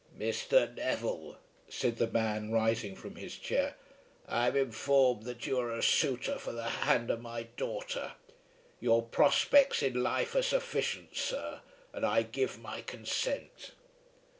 "Mr. Neville," said the man rising from his chair, "I am informed that you are a suitor for the hand of my daughter. Your prospects in life are sufficient, sir, and I give my consent."